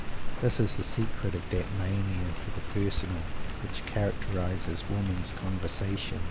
This is the secret of that mania for the personal which characterizes women's conversation.